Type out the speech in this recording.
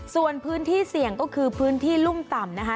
ส่วนพื้นที่เสี่ยงก็คือพื้นที่รุ่มต่ำนะคะ